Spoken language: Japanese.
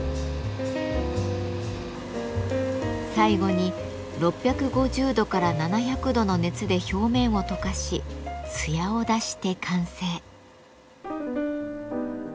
最後に６５０度から７００度の熱で表面を溶かし艶を出して完成。